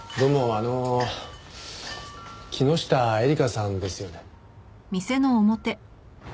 あの木下絵里香さんですよね？